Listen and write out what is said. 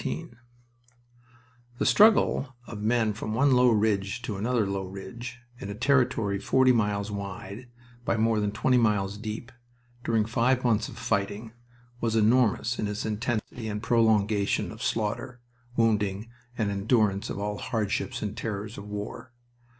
XIV The struggle of men from one low ridge to another low ridge in a territory forty miles wide by more than twenty miles deep, during five months of fighting, was enormous in its intensity and prolongation of slaughter, wounding, and endurance of all hardships and terrors of war.